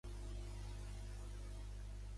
Un grup d'homes en una bassa passant per uns ràpids.